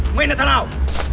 mày là thằng nào